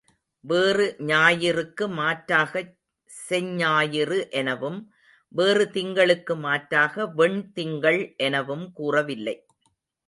வேறு ஞாயிறுக்கு மாற்றாகச் செஞ்ஞாயிறு எனவும், வேறு திங்களுக்கு மாற்றாக வெண் திங்கள் எனவும் கூறவில்லை.